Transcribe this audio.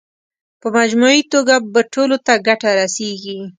په مجموعي توګه به ټولو ته ګټه رسېږي.